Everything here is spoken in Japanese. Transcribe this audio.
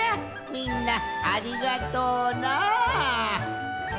みんなありがとうな。